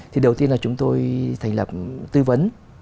thì đầu tiên là chúng tôi thành lập tư vấn